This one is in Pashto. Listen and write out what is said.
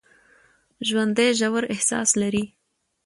ژوندي ژور احساس لري